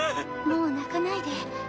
もう泣かないで。